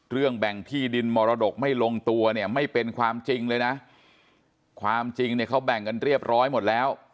แบ่งที่ดินมรดกไม่ลงตัวเนี่ยไม่เป็นความจริงเลยนะความจริงเนี่ยเขาแบ่งกันเรียบร้อยหมดแล้ว